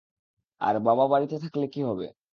আর বাবা বাড়িতে থাকলে কি হবে?